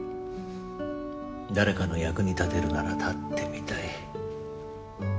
「誰かの役に立てるなら立ってみたい」